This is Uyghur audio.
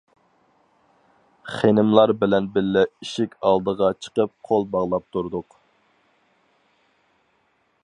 خېنىملار بىلەن بىللە ئىشىك ئالدىغا چىقىپ قول باغلاپ تۇردۇق.